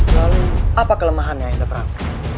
lalu apa kelemahannya yang datang